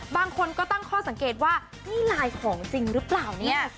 บางคนก็ตั้งข้อสังเกตว่านี่ลายของจริงหรือเปล่าเนี่ย